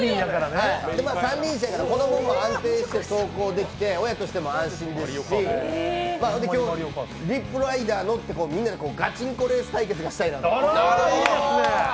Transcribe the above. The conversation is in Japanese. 三輪車やから子供も安定して走行できて親としても安心ですし、リップライダー乗ってガチンコレース対決したいなって。